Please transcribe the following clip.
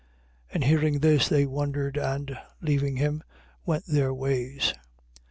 22:22. And hearing this, they wondered and, leaving him, went their ways. 22:23.